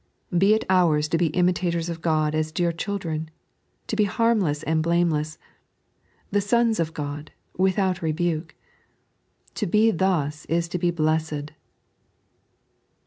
Be it ours to be imitators of God as dear children, to be harmless and blameless, the eons of God, without rebuke — to be thus is to be blessed.